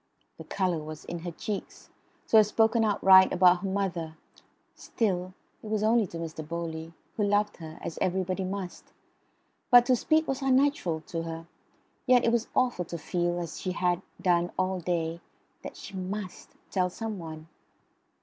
The colour was in her cheeks. To have spoken outright about her mother still, it was only to Mr. Bowley, who loved her, as everybody must; but to speak was unnatural to her, yet it was awful to feel, as she had done all day, that she MUST tell some one.